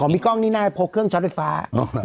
ของมีกล้องนี่น่าโพกเครื่องช็อตไฟฟ้า